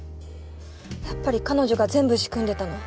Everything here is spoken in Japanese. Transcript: やっぱり彼女が全部仕組んでたの。